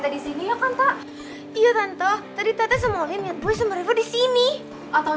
tadi sini ya kan tak iya tante tadi tante sama olin lihat boy sama reva di sini atau